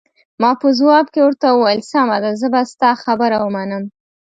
ما په ځواب کې ورته وویل: سمه ده، زه به ستا خبره ومنم.